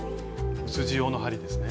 薄地用の針ですね。